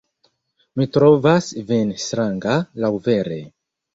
Mi trovas vin stranga, laŭvere!